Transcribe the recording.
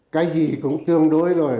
cái gì cũng tương đối rồi